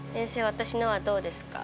私のはどうですか？